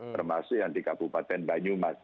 termasuk yang di kabupaten banyumas